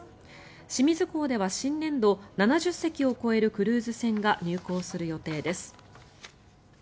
清水港では新年度７０隻を超えるクルーズ船が入港する予定です。